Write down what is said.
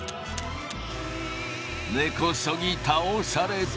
根こそぎ倒されて。